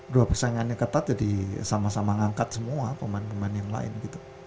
dua persaingannya ketat jadi sama sama ngangkat semua pemain pemain yang lain gitu